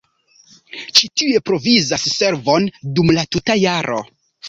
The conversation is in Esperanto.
Ĉi tiuj provizas servon dum la tuta jaro.